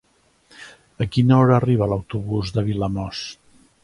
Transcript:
A quina hora arriba l'autobús de Vilamòs?